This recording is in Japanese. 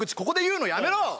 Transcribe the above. ここで言うのやめろ！